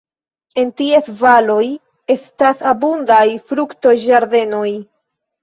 En ties valoj estas abundaj fruktoĝardenoj.